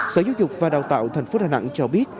sở giáo dục và đào tạo thành phố đà nẵng cho biết